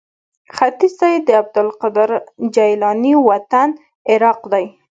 ختیځ ته یې د عبدالقادر جیلاني وطن عراق دی.